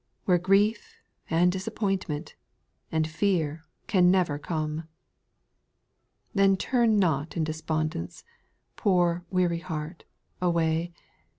Where grief, and disappointment, and fear can never come. G. Then turn not in despondence, poor weary heart, away.